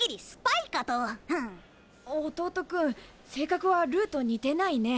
弟君性格はルーと似てないね。